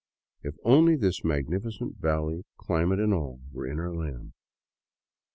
If only this magnifi cent valley, climate and all, were in our land!